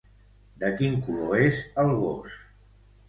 De quin color és el gos?